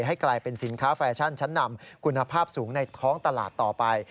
ให้กลายเป็นสินค้าแฟชั่นชั้นนำคุณภาพสูงในท้องตลาดต่อไป